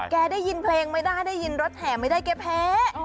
ได้ยินเพลงไม่ได้ได้ยินรถแห่ไม่ได้แกแพ้